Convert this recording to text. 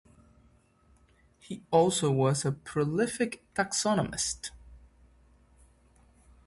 He also was a prolific taxonomist.